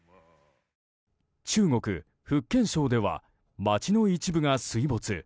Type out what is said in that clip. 中国・福建省では町の一部が水没。